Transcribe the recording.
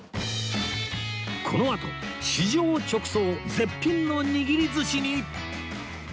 このあと市場直送絶品の握り寿司に